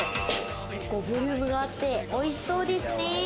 ボリュームがあっておいしそうですね。